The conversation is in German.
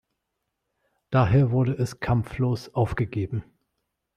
Daher wurde es kampflos aufgegeben.